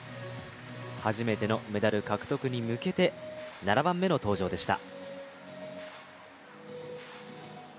初めてのメダル獲得に向けて７番目の登場でした。